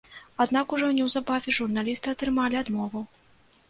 Аднак ужо неўзабаве журналісты атрымалі адмову.